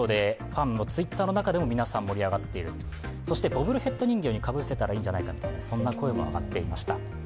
ボブルヘッド人形にかぶせたらいいんじゃないかと、そんな声も上がっていました。